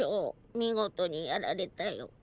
見事にやられたよ。